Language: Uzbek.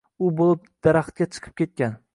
U boʻlib daraxtga chiqib ketgan.